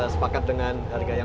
sepakat dengan harga yang